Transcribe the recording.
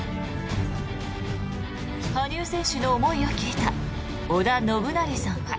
羽生選手の思いを聞いた織田信成さんは。